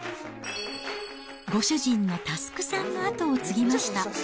ご主人の祐さんの後を継ぎました。